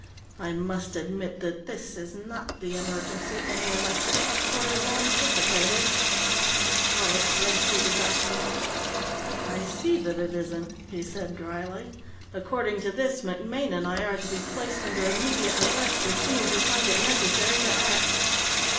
I must admit that this is not the emergency any of us at Headquarters anticipated." Tallis read through the document. "I see that it isn't," he said dryly. "According to this, MacMaine and I are to be placed under immediate arrest as soon as you find it necessary to act."